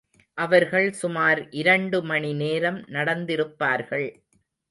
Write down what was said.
அவர்கள் சுமார் இரண்டு மணி நேரம் நடந்திருப்பார்கள்.